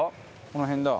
この辺だ。